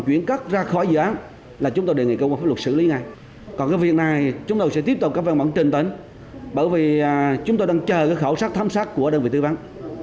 còn việc này chúng tôi sẽ tiếp tục các văn bản truyền tấn bởi vì chúng tôi đang chờ khảo sát thám sát của đơn vị tư vấn